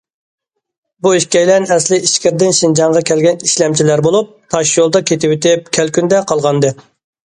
بۇ ئىككىيلەن ئەسلىي ئىچكىرىدىن شىنجاڭغا كەلگەن ئىشلەمچىلەر بولۇپ، تاشيولدا كېتىۋېتىپ كەلكۈندە قالغانىدى.